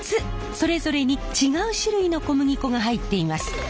それぞれに違う種類の小麦粉が入っています。